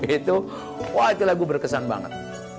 itu wah itu lagu berkesan banget